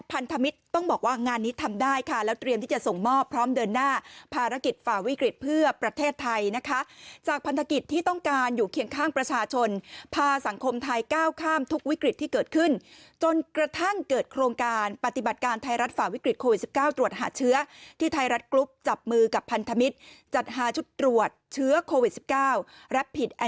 พันธมิตรต้องบอกว่างานนี้ทำได้ค่ะแล้วเตรียมที่จะส่งมอบพร้อมเดินหน้าภารกิจฝ่าวิกฤตเพื่อประเทศไทยนะคะจากพันธกิจที่ต้องการอยู่เคียงข้างประชาชนพาสังคมไทยก้าวข้ามทุกวิกฤตที่เกิดขึ้นจนกระทั่งเกิดโครงการปฏิบัติการไทยรัฐฝ่าวิกฤตโควิด๑๙ตรวจหาเชื้อที่ไทยรั